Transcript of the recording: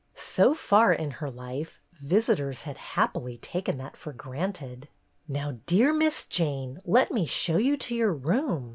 So far in her life, visitors had happily taken that for granted. "Now, dear Miss Jane, let me show you to your room.